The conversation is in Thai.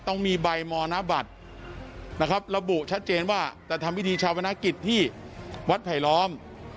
ต้องมีใบมรณบัตรนะครับระบุชัดเจนว่าจะทำพิธีชาวนากิจที่วัดไผลล้อม